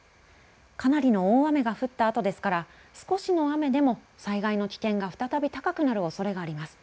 かなりの大雨が降ったあとですから少しの雨でも災害の危険が再び高くなるおそれがあります。